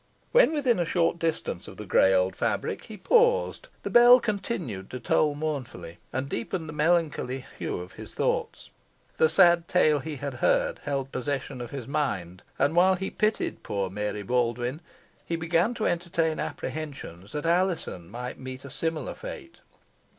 When within a short distance of the grey old fabric he paused. The bell continued to toll mournfully, and deepened the melancholy hue of his thoughts. The sad tale he had heard held possession of his mind, and while he pitied poor Mary Baldwyn, he began to entertain apprehensions that Alizon might meet a similar fate.